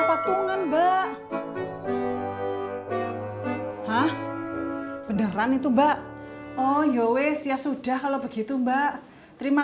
kamu puasanya setengah hari doang ya